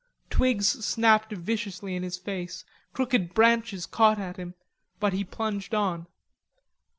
Twigs snapped viciously in his face, crooked branches caught at him, but he plunged on.